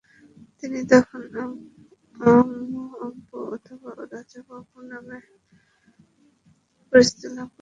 তিনি তখন অম্বু বাবু অথবা রাজা বাবু নামে পরিচিতি লাভ করেন।